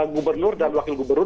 gubernur dan wakil gubernur